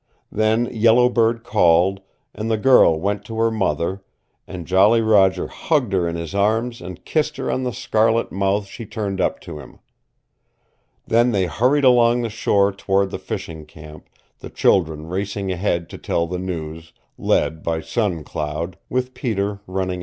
Then Yellow Bird called, and the girl went to her mother, and Jolly Roger hugged her in his arms and kissed her on the scarlet mouth she turned up to him. Then they hurried along the shore toward the fishing camp, the children racing ahead to tell the news, led by Sun Cloud with Peter running at her heels.